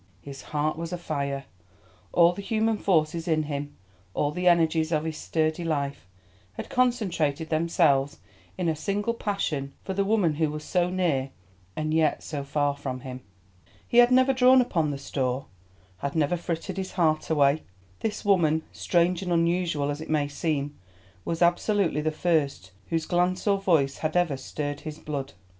His heart was a fire. All the human forces in him, all the energies of his sturdy life, had concentrated themselves in a single passion for the woman who was so near and yet so far from him. He had never drawn upon the store, had never frittered his heart away. This woman, strange and unusual as it may seem, was absolutely the first whose glance or voice had ever stirred his blood.